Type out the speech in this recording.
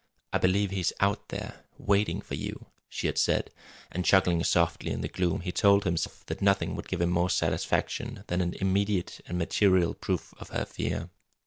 "I believe he is out there waiting for you," she had said; and, chuckling softly in the gloom, he told himself that nothing would give him more satisfaction than an immediate and material proof of her fear.